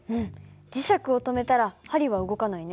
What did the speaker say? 磁石を止めたら針は動かないね。